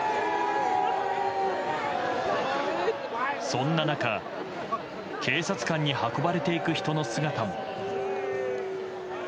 そんな中警察官に運ばれていく人の姿も。